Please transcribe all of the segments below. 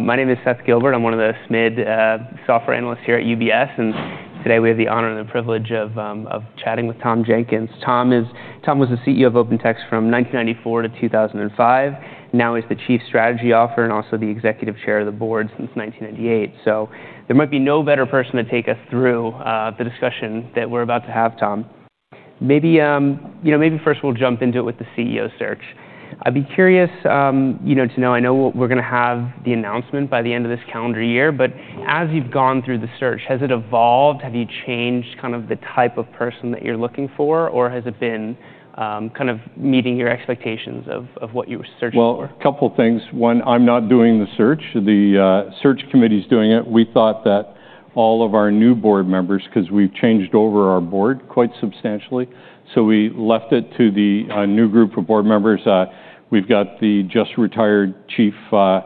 My name is Seth Gilbert. I'm one of the SMID software analysts here at UBS. Today we have the honor and the privilege of chatting with Tom Jenkins. Tom was the CEO of OpenText from 1994-2005. Now he's the Chief Strategy Officer and also the Executive Chair of the Board since 1998. So there might be no better person to take us through the discussion that we're about to have, Tom. Maybe first we'll jump into it with the CEO search. I'd be curious to know. I know we're going to have the announcement by the end of this calendar year. But as you've gone through the search, has it evolved? Have you changed kind of the type of person that you're looking for? Or has it been kind of meeting your expectations of what you were searching for? A couple of things. One, I'm not doing the search. The search committee is doing it. We thought that all of our new board members, because we've changed over our board quite substantially, so we left it to the new group of board members. We've got the just-retired CHRO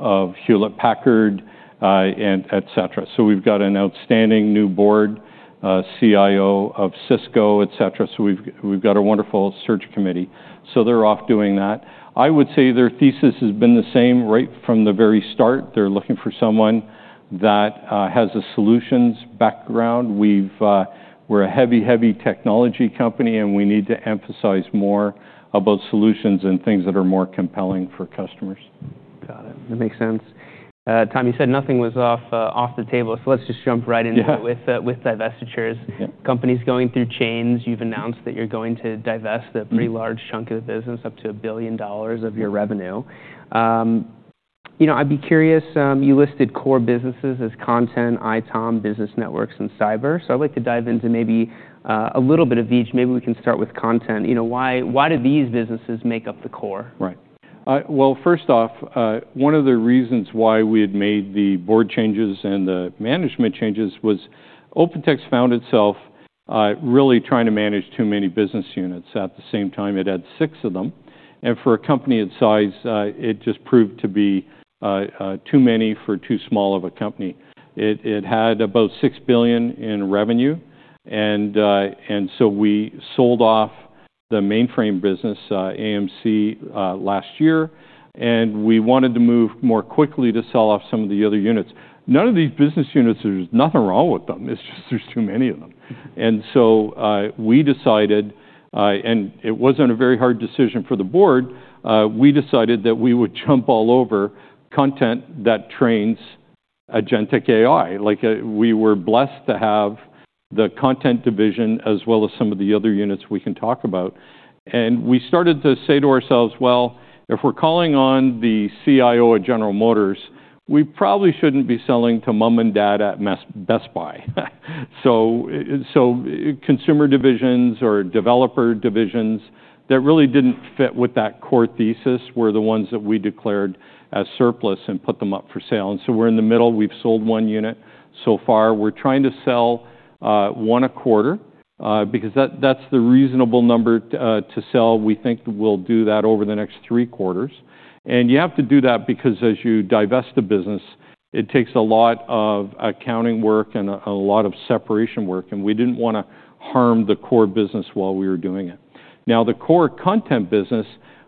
of Hewlett-Packard, et cetera. So we've got an outstanding new board: CIO of Cisco, et cetera. So we've got a wonderful search committee. So they're off doing that. I would say their thesis has been the same right from the very start. They're looking for someone that has a solutions background. We're a heavy, heavy technology company, and we need to emphasize more about solutions and things that are more compelling for customers. Got it. That makes sense. Tom, you said nothing was off the table. So let's just jump right into it with divestitures. Companies going through changes. You've announced that you're going to divest a pretty large chunk of the business, up to $1 billion of your revenue. I'd be curious. You listed core businesses as Content, ITOM, Business Networks, and Cyber. So I'd like to dive into maybe a little bit of each. Maybe we can start with Content. Why do these businesses make up the core? Right. Well, first off, one of the reasons why we had made the board changes and the management changes was OpenText found itself really trying to manage too many business units. At the same time, it had six of them. And for a company its size, it just proved to be too many for too small of a company. It had about $6 billion in revenue. So we sold off the mainframe business, AMC, last year. We wanted to move more quickly to sell off some of the other units. None of these business units. There's nothing wrong with them. It's just there's too many of them. So we decided, and it wasn't a very hard decision for the board. We decided that we would jump all over content that trains agentic AI. We were blessed to have the content division as well as some of the other units we can talk about. And we started to say to ourselves, well, if we're calling on the CIO at General Motors, we probably shouldn't be selling to mom and dad at Best Buy. So consumer divisions or developer divisions that really didn't fit with that core thesis were the ones that we declared as surplus and put them up for sale. And so we're in the middle. We've sold one unit so far. We're trying to sell one a quarter because that's the reasonable number to sell. We think we'll do that over the next three quarters. And you have to do that because as you divest a business, it takes a lot of accounting work and a lot of separation work. And we didn't want to harm the core business while we were doing it. Now, the core content business,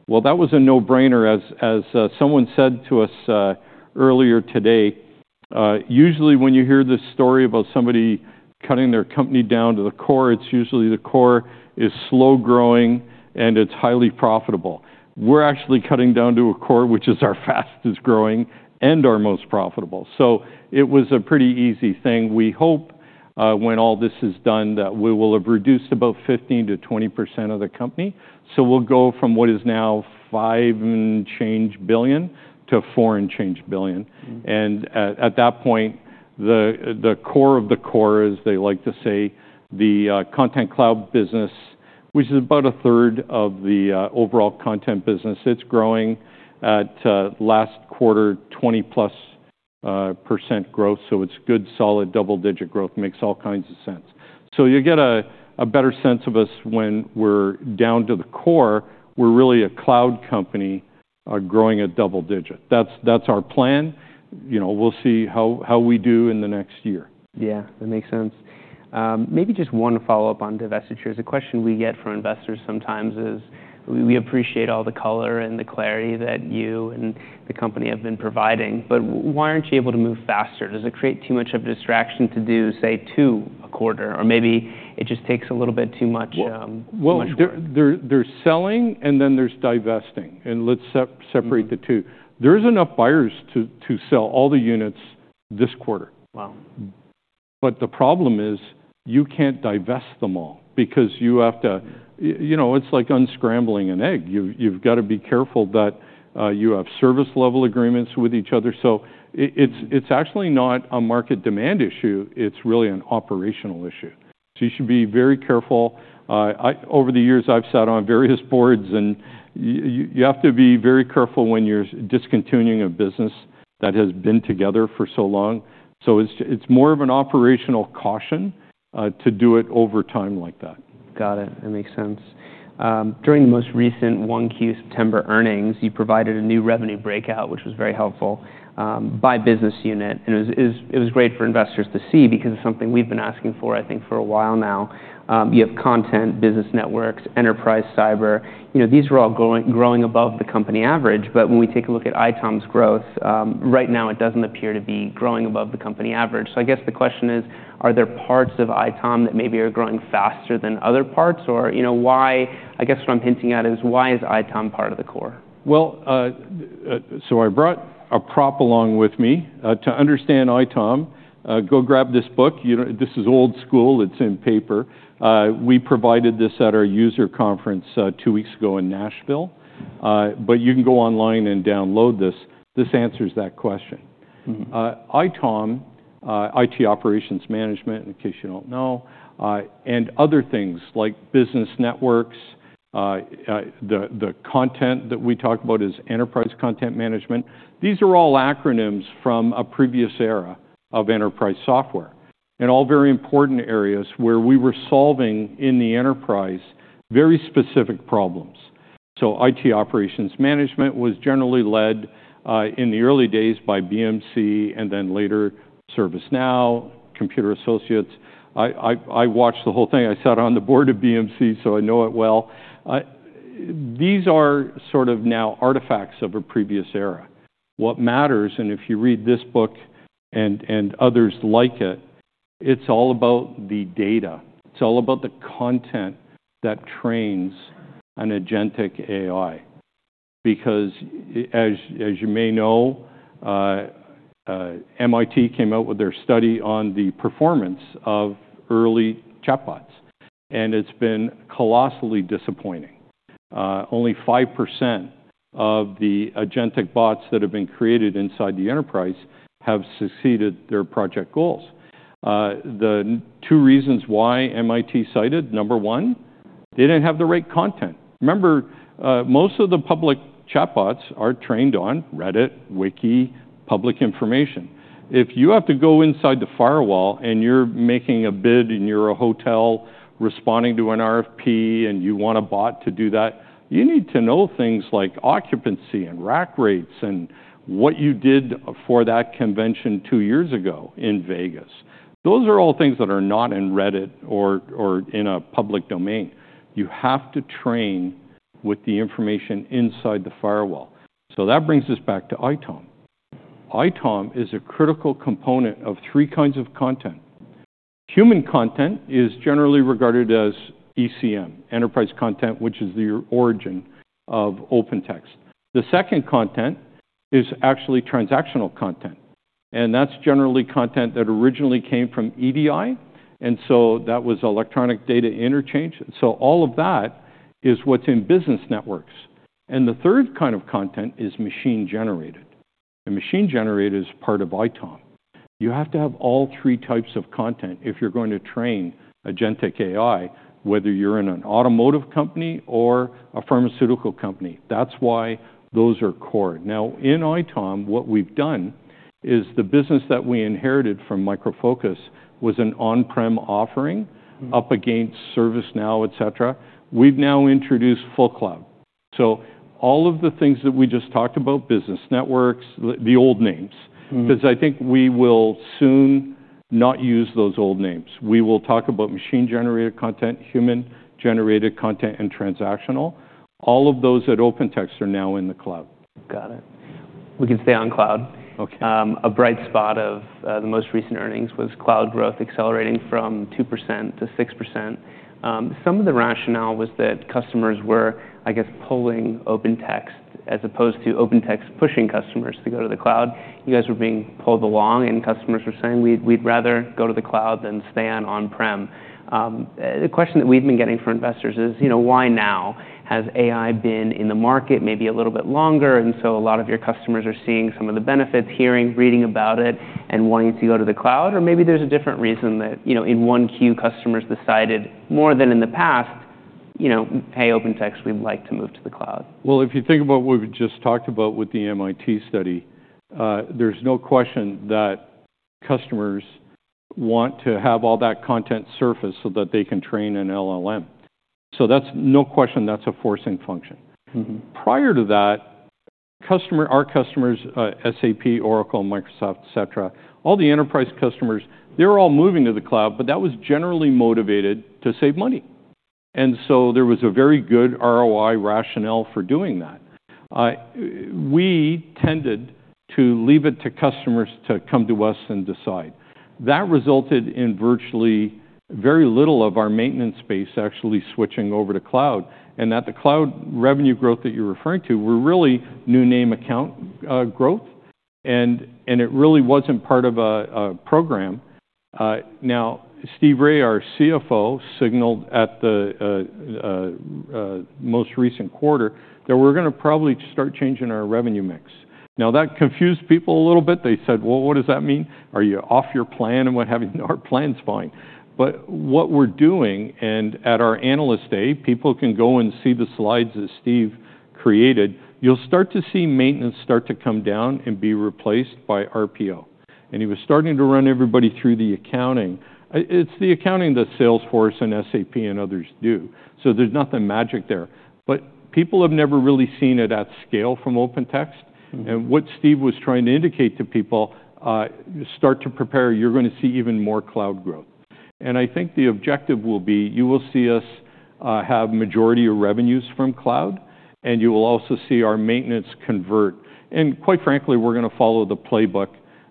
well, that was a no-brainer. As someone said to us earlier today, usually when you hear this story about somebody cutting their company down to the core, it's usually the core is slow growing and it's highly profitable. We're actually cutting down to a core, which is our fastest growing and our most profitable. So it was a pretty easy thing. We hope when all this is done that we will have reduced about 15%-20% of the company. So we'll go from what is now $5 and change billion to $4 and change billion. At that point, the core of the core, as they like to say, the Content Cloud business, which is about a third of the overall content business, it's growing at last quarter 20% plus growth. So it's good, solid double-digit growth. Makes all kinds of sense. So you get a better sense of us when we're down to the core. We're really a cloud company growing at double-digit. That's our plan. We'll see how we do in the next year. Yeah. That makes sense. Maybe just one follow-up on divestitures. A question we get from investors sometimes is we appreciate all the color and the clarity that you and the company have been providing. But why aren't you able to move faster? Does it create too much of a distraction to do, say, two a quarter? Or maybe it just takes a little bit too much? Well, there's selling and then there's divesting. And let's separate the two. There's enough buyers to sell all the units this quarter. Wow. But the problem is you can't divest them all because you have to, you know, it's like unscrambling an egg. You've got to be careful that you have service level agreements with each other. So it's actually not a market demand issue. It's really an operational issue. So you should be very careful. Over the years, I've sat on various boards. And you have to be very careful when you're discontinuing a business that has been together for so long. So it's more of an operational caution to do it over time like that. Got it. That makes sense. During the most recent 1Q September earnings, you provided a new revenue breakout, which was very helpful by business unit. And it was great for investors to see because it's something we've been asking for, I think, for a while now. You have Content, Business Networks, Enterprise, Cyber. These were all growing above the company average. But when we take a look at ITOM's growth, right now it doesn't appear to be growing above the company average. So I guess the question is, are there parts of ITOM that maybe are growing faster than other parts? Or I guess what I'm hinting at is, why is ITOM part of the core? I brought a prop along with me to understand ITOM. Go grab this book. This is old school. It's in paper. We provided this at our user conference two weeks ago in Nashville. But you can go online and download this. This answers that question. ITOM, IT Operations Management, in case you don't know, and other things like Business Networks, the Content that we talk about is Enterprise Content Management. These are all acronyms from a previous era of enterprise software and all very important areas where we were solving in the enterprise very specific problems. IT Operations Management was generally led in the early days by BMC and then later ServiceNow, Computer Associates. I watched the whole thing. I sat on the board of BMC, so I know it well. These are sort of now artifacts of a previous era. What matters, and if you read this book and others like it, it's all about the data. It's all about the content that trains an agentic AI. Because as you may know, MIT came out with their study on the performance of early chatbots. And it's been colossally disappointing. Only 5% of the agentic bots that have been created inside the enterprise have succeeded their project goals. The two reasons why MIT cited, number one, they didn't have the right content. Remember, most of the public chatbots are trained on Reddit, Wiki, public information. If you have to go inside the firewall and you're making a bid and you're a hotel responding to an RFP and you want a bot to do that, you need to know things like occupancy and rack rates and what you did for that convention two years ago in Vegas. Those are all things that are not in Reddit or in a public domain. You have to train with the information inside the firewall, so that brings us back to ITOM. ITOM is a critical component of three kinds of content. Human content is generally regarded as ECM, Enterprise Content, which is the origin of OpenText. The second content is actually transactional content, and that's generally content that originally came from EDI, and so that was electronic data interchange, so all of that is what's in business networks, and the third kind of content is machine-generated, and machine-generated is part of ITOM. You have to have all three types of content if you're going to train agentic AI, whether you're in an automotive company or a pharmaceutical company. That's why those are core. Now, in ITOM, what we've done is the business that we inherited from Micro Focus was an on-prem offering up against ServiceNow, et cetera. We've now intr`oduced full cloud. So all of the things that we just talked about, Business Networks, the old names, because I think we will soon not use those old names. We will talk about machine-generated content, human-generated content, and transactional. All of those at OpenText are now in the cloud. Got it. We can stay on cloud. Ok. A bright spot of the most recent earnings was cloud growth accelerating from 2% to 6%. Some of the rationale was that customers were, I guess, pulling OpenText as opposed to OpenText pushing customers to go to the cloud. You guys were being pulled along, and customers were saying, we'd rather go to the cloud than stay on-prem. The question that we've been getting from investors is, why now? Has AI been in the market maybe a little bit longer, and so a lot of your customers are seeing some of the benefits, hearing, reading about it, and wanting to go to the cloud? Or maybe there's a different reason that in 1Q customers decided more than in the past, hey, OpenText, we'd like to move to the cloud. Well, if you think about what we just talked about with the MIT study, there's no question that customers want to have all that content surface so that they can train an LLM. So that's no question that's a forcing function. Prior to that, our customers, SAP, Oracle, Microsoft, et cetera, all the enterprise customers, they were all moving to the cloud. But that was generally motivated to save money. And so there was a very good ROI rationale for doing that. We tended to leave it to customers to come to us and decide. That resulted in virtually very little of our maintenance space actually switching over to cloud. And that the cloud revenue growth that you're referring to were really new name account growth. And it really wasn't part of a program. Now, Steve Rai, our CFO, signaled at the most recent quarter that we're going to probably start changing our revenue mix. Now, that confused people a little bit. They said, well, what does that mean? Are you off your plan? And we're having our plans fine. But what we're doing, and at our analyst day, people can go and see the slides that Steve created, you'll start to see maintenance start to come down and be replaced by RPO. And he was starting to run everybody through the accounting. It's the accounting that Salesforce and SAP and others do. So there's nothing magic there. But people have never really seen it at scale from OpenText. And what Steve was trying to indicate to people, start to prepare, you're going to see even more cloud growth. And I think the objective will be you will see us have majority of revenues from cloud. And you will also see our maintenance conversion. And quite frankly, we're going to follow the playbook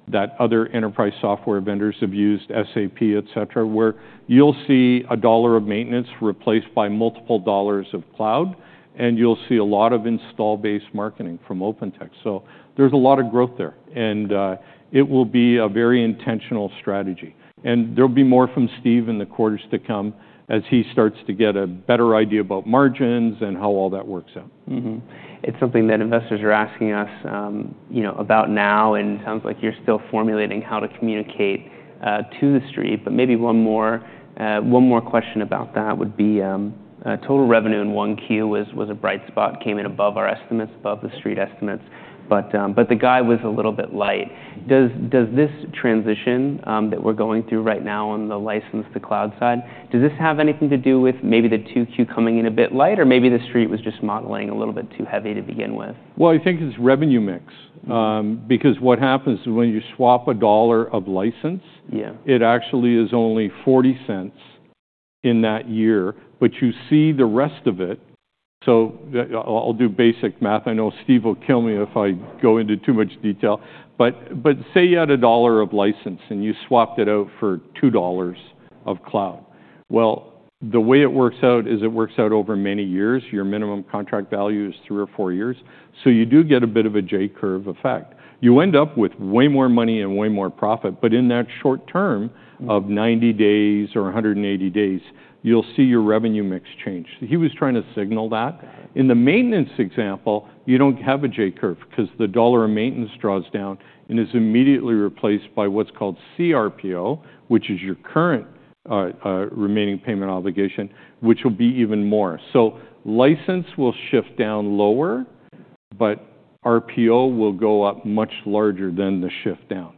that other enterprise software vendors have used, SAP, et cetera, where you'll see a dollar of maintenance replaced by multiple dollars of cloud. And you'll see a lot of installed-base marketing from OpenText. So there's a lot of growth there. And it will be a very intentional strategy. And there'll be more from Steve in the quarters to come as he starts to get a better idea about margins and how all that works out. It's something that investors are asking us about now. It sounds like you're still formulating how to communicate to the street. But maybe one more question about that would be total revenue in 1Q was a bright spot. Came in above our estimates, above the street estimates. But the guidance was a little bit light. Does this transition that we're going through right now on the license to cloud side, does this have anything to do with maybe the 2Q coming in a bit light? Or maybe the street was just modeling a little bit too heavy to begin with? I think it's revenue mix. Because what happens is when you swap $1 of license, it actually is only $0.40 in that year. But you see the rest of it. So I'll do basic math. I know Steve will kill me if I go into too much detail. But say you had $1 of license and you swapped it out for $2 of cloud. The way it works out is it works out over many years. Your minimum contract value is three or four years. So you do get a bit of a J Curve effect. You end up with way more money and way more profit. But in that short term of 90 days or 180 days, you'll see your revenue mix change. He was trying to signal that. In the maintenance example, you don't have a J Curve because the $1 of maintenance draws down and is immediately replaced by what's called CRPO, which is your current remaining performance obligation, which will be even more. So license will shift down lower, but RPO will go up much larger than the shift down.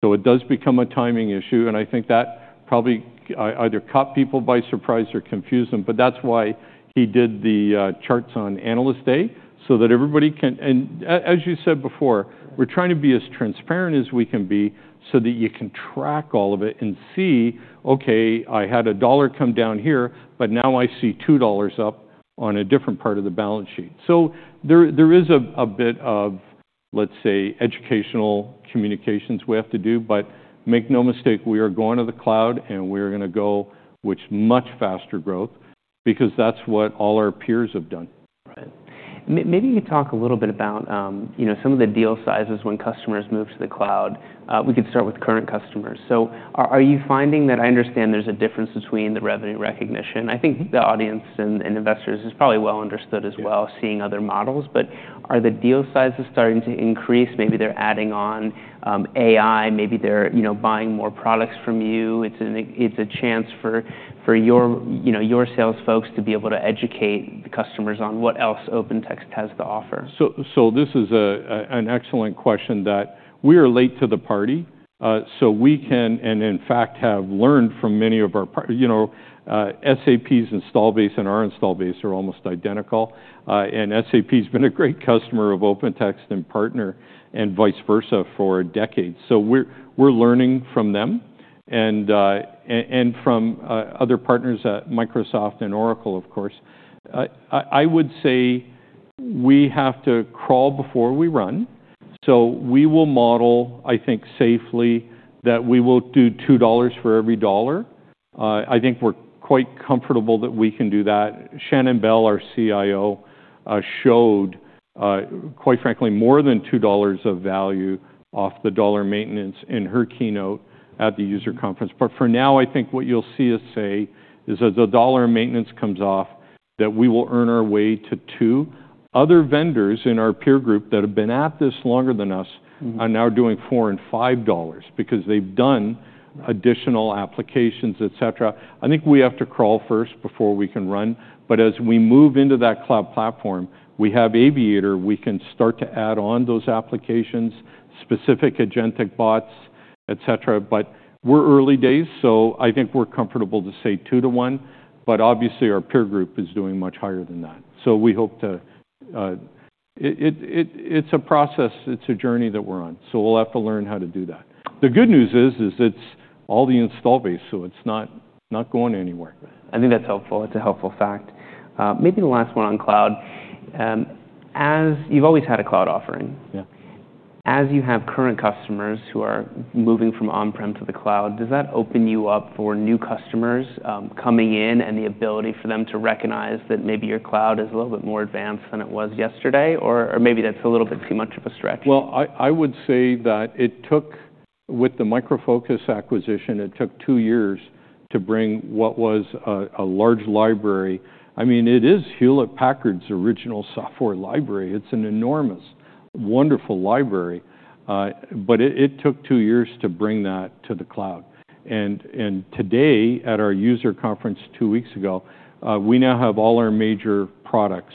So it does become a timing issue. And I think that probably either caught people by surprise or confused them. But that's why he did the charts on analyst day so that everybody can, and as you said before, we're trying to be as transparent as we can be so that you can track all of it and see, Ok, I had a $1 come down here, but now I see $2 up on a different part of the balance sheet. So there is a bit of, let's say, educational communications we have to do. But make no mistake, we are going to the cloud. And we're going to go with much faster growth because that's what all our peers have done. Right. Maybe you could talk a little bit about some of the deal sizes when customers move to the cloud. We could start with current customers. So are you finding that I understand there's a difference between the revenue recognition? I think the audience and investors is probably well understood as well, seeing other models. But are the deal sizes starting to increase? Maybe they're adding on AI. Maybe they're buying more products from you. It's a chance for your sales folks to be able to educate the customers on what else OpenText has to offer. So this is an excellent question that we are late to the party. So we can, and in fact, have learned from many of our SAP's install base and our install base are almost identical. And SAP's been a great customer of OpenText and partner and vice versa for decades. So we're learning from them and from other partners at Microsoft and Oracle, of course. I would say we have to crawl before we run. So we will model, I think, safely that we will do $2 for every dollar. I think we're quite comfortable that we can do that. Shannon Bell, our CIO, showed, quite frankly, more than $2 of value off the dollar maintenance in her keynote at the user conference. But for now, I think what you'll see us say is as the dollar maintenance comes off, that we will earn our way to $2. Other vendors in our peer group that have been at this longer than us are now doing $4 and $5 because they've done additional applications, et cetera. I think we have to crawl first before we can run. But as we move into that cloud platform, we have Aviator. We can start to add on those applications, specific agentic bots, et cetera. But we're early days. So I think we're comfortable to say 2:1. But obviously, our peer group is doing much higher than that. So we hope to, it's a process. It's a journey that we're on. So we'll have to learn how to do that. The good news is it's all the installed base. So it's not going anywhere. I think that's helpful. It's a helpful fact. Maybe the last one on cloud. As you've always had a cloud offering, as you have current customers who are moving from on-prem to the cloud, does that open you up for new customers coming in and the ability for them to recognize that maybe your cloud is a little bit more advanced than it was yesterday? Or maybe that's a little bit too much of a stretch. I would say that it took, with the Micro Focus acquisition, it took two years to bring what was a large library. I mean, it is Hewlett-Packard's original software library. It's an enormous, wonderful library. But it took two years to bring that to the cloud. And today, at our user conference two weeks ago, we now have all our major products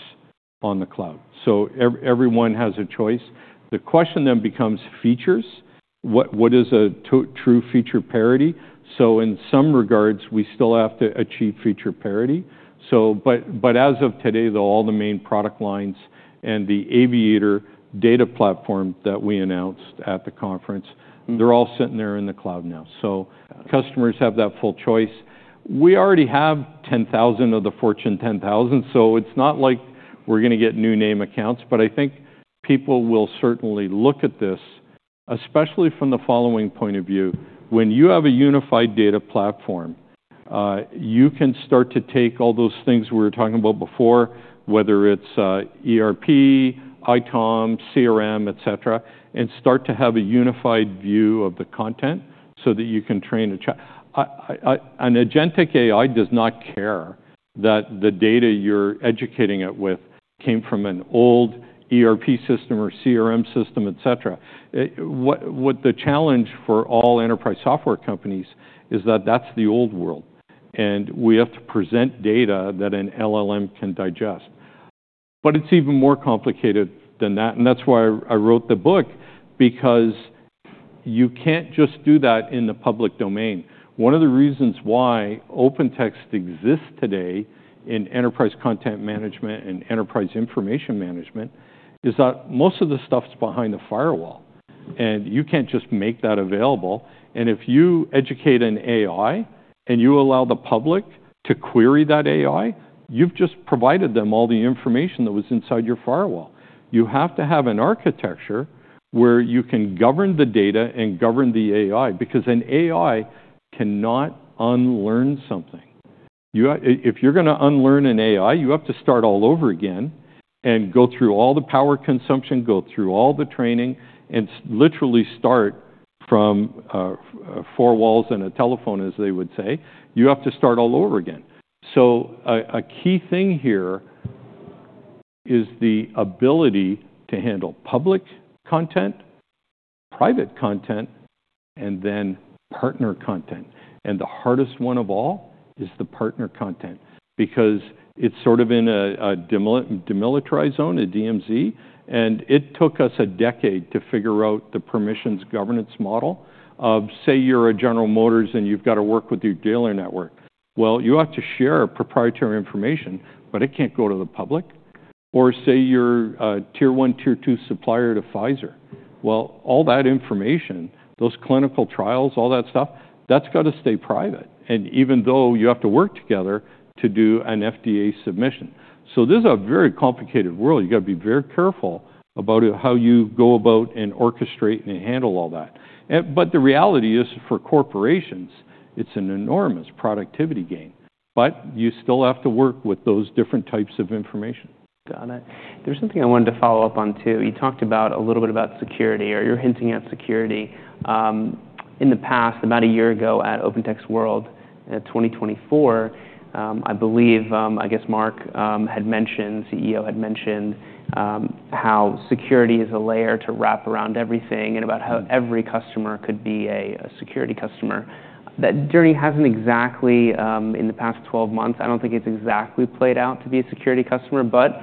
on the cloud. So everyone has a choice. The question then becomes features. What is a true feature parity? So in some regards, we still have to achieve feature parity. But as of today, though, all the main product lines and the Aviator data platform that we announced at the conference, they're all sitting there in the cloud now. So customers have that full choice. We already have 10,000 of the Fortune 10,000. So it's not like we're going to get new name accounts. But I think people will certainly look at this, especially from the following point of view. When you have a unified data platform, you can start to take all those things we were talking about before, whether it's ERP, ITOM, CRM, et cetera, and start to have a unified view of the content so that you can train a chat. An agentic AI does not care that the data you're educating it with came from an old ERP system or CRM system, et cetera. What the challenge for all enterprise software companies is that that's the old world. And we have to present data that an LLM can digest. But it's even more complicated than that. And that's why I wrote the book, because you can't just do that in the public domain. One of the reasons why OpenText exists today in enterprise content management and enterprise information management is that most of the stuff's behind the firewall. And you can't just make that available. And if you educate an AI and you allow the public to query that AI, you've just provided them all the information that was inside your firewall. You have to have an architecture where you can govern the data and govern the AI, because an AI cannot unlearn something. If you're going to unlearn an AI, you have to start all over again and go through all the power consumption, go through all the training, and literally start from four walls and a telephone, as they would say. You have to start all over again. So a key thing here is the ability to handle public content, private content, and then partner content. And the hardest one of all is the partner content, because it's sort of in a demilitarized zone, a DMZ. And it took us a decade to figure out the permissions governance model of, say, you're a General Motors and you've got to work with your dealer network. Well, you have to share proprietary information. But it can't go to the public. Or say you're a tier one, tier two supplier to Pfizer. Well, all that information, those clinical trials, all that stuff, that's got to stay private, even though you have to work together to do an FDA submission. So this is a very complicated world. You've got to be very careful about how you go about and orchestrate and handle all that. But the reality is, for corporations, it's an enormous productivity gain. But you still have to work with those different types of information. Got it. There's something I wanted to follow up on, too. You talked a little bit about security, or you're hinting at security. In the past, about a year ago at OpenText World in 2024, I believe, I guess Mark had mentioned, CEO had mentioned how security is a layer to wrap around everything and about how every customer could be a security customer. That journey hasn't exactly, in the past 12 months, I don't think it's exactly played out to be a security customer. But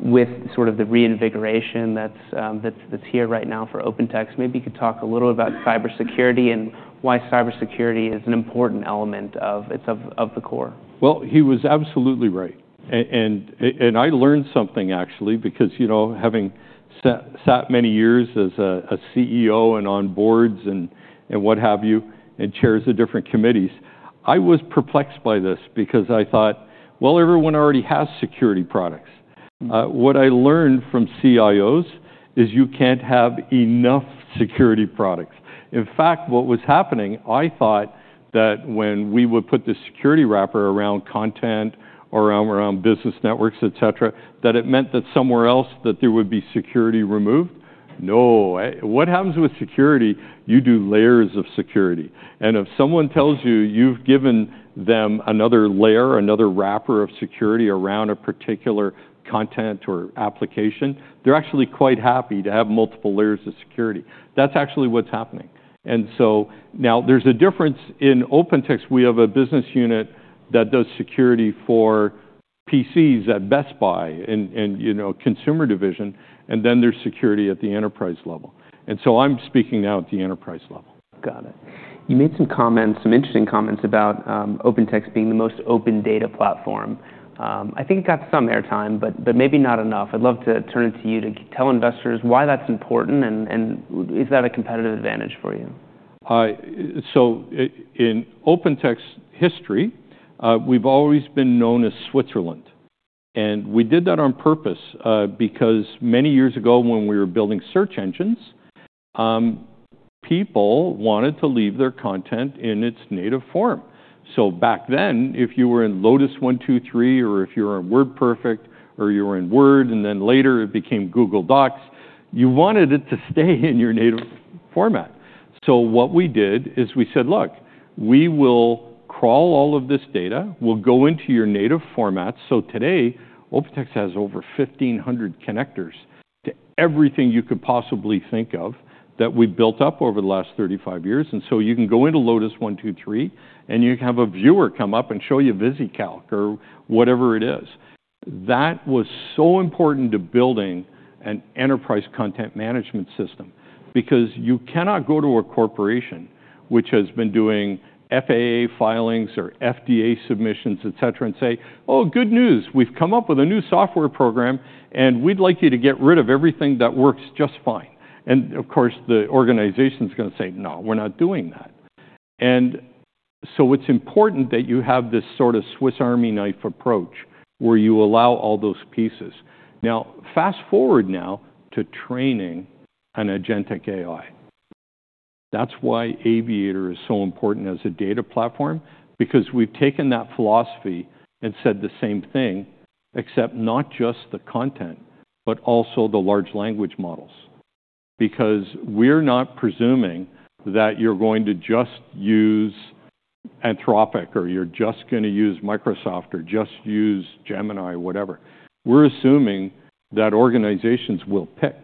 with sort of the reinvigoration that's here right now for OpenText, maybe you could talk a little about cybersecurity and why cybersecurity is an important element of its core. He was absolutely right. And I learned something, actually, because having sat many years as a CEO and on boards and what have you and chairs of different committees, I was perplexed by this because I thought, well, everyone already has security products. What I learned from CIOs is you can't have enough security products. In fact, what was happening, I thought that when we would put the security wrapper around content, around business networks, et cetera, that it meant that somewhere else that there would be security removed. No. What happens with security? You do layers of security. And if someone tells you you've given them another layer, another wrapper of security around a particular content or application, they're actually quite happy to have multiple layers of security. That's actually what's happening. And so now there's a difference in OpenText. We have a business unit that does security for PCs at Best Buy and consumer division. And then there's security at the enterprise level. And so I'm speaking now at the enterprise level. Got it. You made some comments, some interesting comments about OpenText being the most open data platform. I think it got some airtime, but maybe not enough. I'd love to turn it to you to tell investors why that's important and is that a competitive advantage for you. So in OpenText history, we've always been known as Switzerland. And we did that on purpose because many years ago when we were building search engines, people wanted to leave their content in its native form. So back then, if you were in Lotus 1-2-3 or if you were in WordPerfect or you were in Word, and then later it became Google Docs, you wanted it to stay in your native format. So what we did is we said, look, we will crawl all of this data. We'll go into your native format. So today, OpenText has over 1,500 connectors to everything you could possibly think of that we built up over the last 35 years. And so you can go into Lotus 1-2-3 and you can have a viewer come up and show you VisiCalc or whatever it is. That was so important to building an enterprise content management system because you cannot go to a corporation which has been doing FAA filings or FDA submissions, et cetera, and say, oh, good news. We've come up with a new software program. And we'd like you to get rid of everything that works just fine. And of course, the organization's going to say, no, we're not doing that. And so it's important that you have this sort of Swiss Army knife approach where you allow all those pieces. Now, fast forward now to training an agentic AI. That's why Aviator is so important as a data platform, because we've taken that philosophy and said the same thing, except not just the content, but also the large language models, because we're not presuming that you're going to just use Anthropic or you're just going to use Microsoft or just use Gemini or whatever. We're assuming that organizations will pick.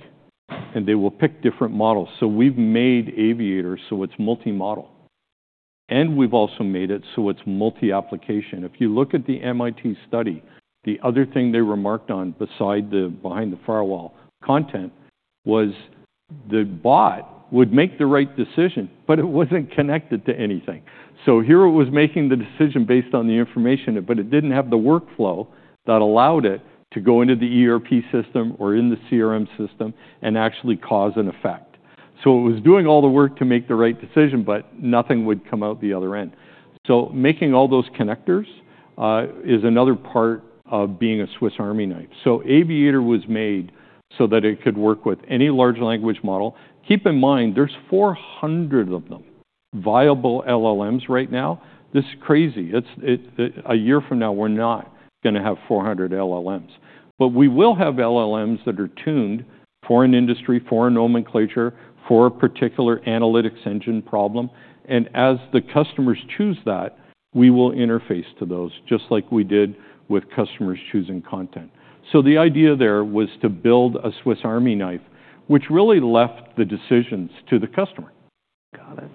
And they will pick different models. So we've made Aviator so it's multi-model. And we've also made it so it's multi-application. If you look at the MIT study, the other thing they remarked on besides the behind-the-firewall content was the bot would make the right decision, but it wasn't connected to anything. So here it was making the decision based on the information, but it didn't have the workflow that allowed it to go into the ERP system or in the CRM system and actually cause an effect. So it was doing all the work to make the right decision, but nothing would come out the other end. So making all those connectors is another part of being a Swiss Army knife. So Aviator was made so that it could work with any large language model. Keep in mind, there's 400 of them, viable LLMs right now. This is crazy. A year from now, we're not going to have 400 LLMs. But we will have LLMs that are tuned for an industry, for a nomenclature, for a particular analytics engine problem. And as the customers choose that, we will interface to those, just like we did with customers choosing content. So the idea there was to build a Swiss Army knife, which really left the decisions to the customer. Got it.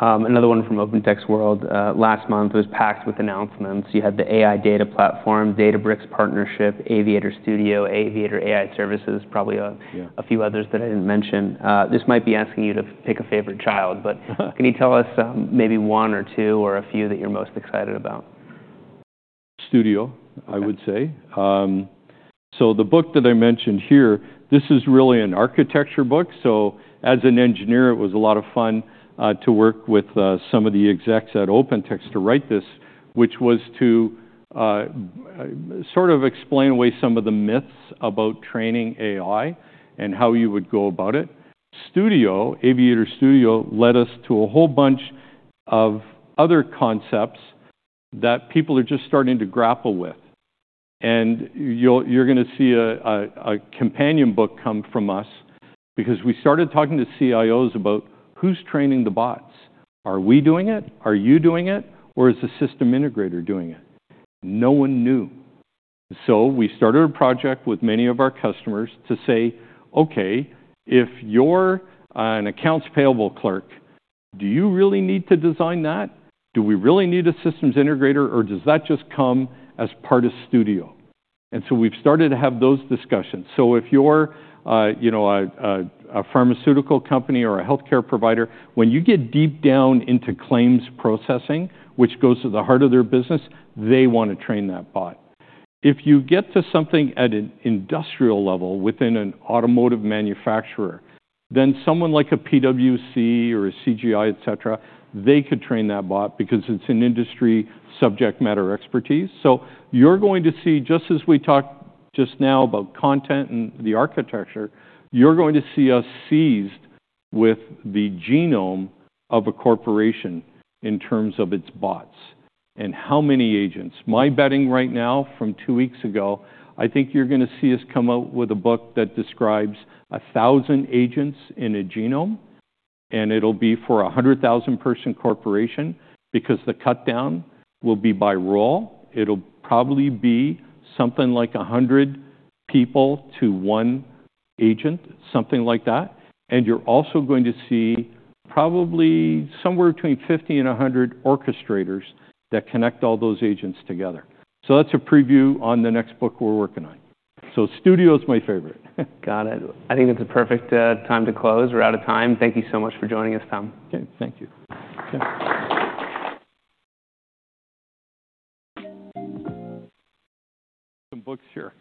Another one from OpenText World. Last month, it was packed with announcements. You had the AI data platform, Databricks partnership, Aviator Studio, Aviator AI services, probably a few others that I didn't mention. This might be asking you to pick a favorite child. But can you tell us maybe one or two or a few that you're most excited about? Studio, I would say. So the book that I mentioned here, this is really an architecture book. So as an engineer, it was a lot of fun to work with some of the execs at OpenText to write this, which was to sort of explain away some of the myths about training AI and how you would go about it. Studio, Aviator Studio led us to a whole bunch of other concepts that people are just starting to grapple with. And you're going to see a companion book come from us, because we started talking to CIOs about who's training the bots. Are we doing it? Are you doing it? Or is the system integrator doing it? No one knew. So we started a project with many of our customers to say, OK, if you're an accounts payable clerk, do you really need to design that? Do we really need a systems integrator? Or does that just come as part of Studio? And so we've started to have those discussions. So if you're a pharmaceutical company or a health care provider, when you get deep down into claims processing, which goes to the heart of their business, they want to train that bot. If you get to something at an industrial level within an automotive manufacturer, then someone like a PwC or a CGI, et cetera, they could train that bot because it's an industry subject matter expertise. So you're going to see, just as we talked just now about content and the architecture, you're going to see us sized with the genome of a corporation in terms of its bots and how many agents. I'm betting right now, from two weeks ago, I think you're going to see us come out with a book that describes 1,000 agents in a genome. It'll be for a 100,000-person corporation, because the cutdown will be by role. It'll probably be something like 100 people to one agent, something like that. You're also going to see probably somewhere between 50 and 100 orchestrators that connect all those agents together. So that's a preview on the next book we're working on. So Studio is my favorite. Got it. I think that's a perfect time to close. We're out of time. Thank you so much for joining us, Tom. OK. Thank you. Some books here.